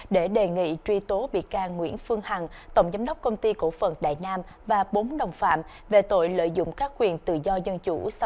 để đề nghị truy tố bị can nguyễn phương hằng tổng giám đốc công ty cổ phần đại nam và bốn đồng phạm về tội lợi dụng các quyền tự do dân chủ